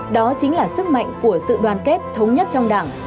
đó chính là sức mạnh của sự đoàn kết thống nhất trong đảng